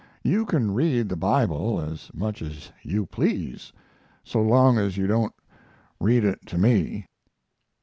You can read the Bible as much as you please so long as you don't read it to me."